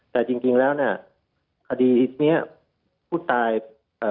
แต่จริงจริงแล้วเนี่ยคดีเนี้ยผู้ตายเอ่อ